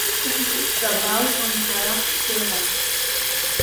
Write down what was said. Ҵабалҟа нхара ҳцома?